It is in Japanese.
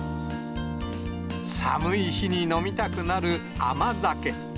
寒い日に飲みたくなる甘酒。